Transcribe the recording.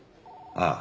ああ。